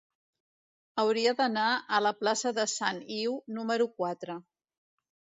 Hauria d'anar a la plaça de Sant Iu número quatre.